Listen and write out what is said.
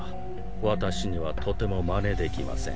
私にはとてもまねできません。